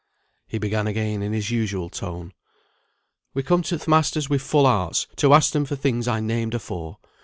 He began again in his usual tone. "We come to th' masters wi' full hearts, to ask for them things I named afore.